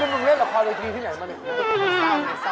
มึงเล่นละครเวทีที่ไหนมาเนี่ย